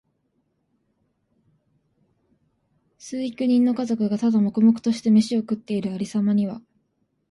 十幾人の家族が、ただ黙々としてめしを食っている有様には、